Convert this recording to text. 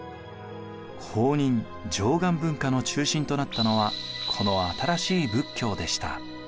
弘仁・貞観文化の中心となったのはこの新しい仏教でした。